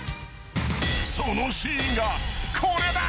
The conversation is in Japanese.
［そのシーンがこれだ］